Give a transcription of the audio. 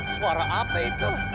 suara apa itu